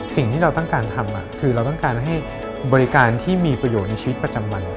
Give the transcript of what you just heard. สิ่งที่เราต้องการทำคือเราต้องการให้บริการที่มีประโยชน์ในชีวิตประจำวัน